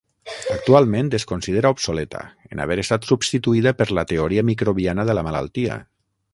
Actualment es considera obsoleta, en haver estat substituïda per la teoria microbiana de la malaltia.